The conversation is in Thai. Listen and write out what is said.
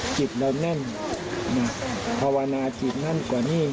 จิตเราแน่นนะภาวนาจิตนั่นกว่านี่